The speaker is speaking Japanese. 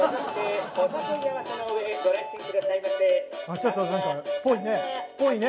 ちょっとなんかぽいね！